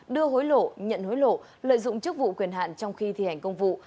đưa hối lộ nhận hối lộ lợi dụng chức vụ quyền hạn trong khi thi hành công vụ